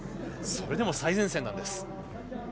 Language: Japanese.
それでも最前線なんです。